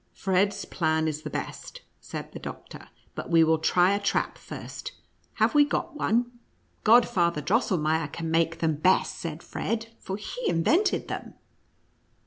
"Fred's plan is the best," said the doctor, but we will try a trap first. Have we got one V "Godfather Drosselmeier can make them best," said Fred, " for he invented them."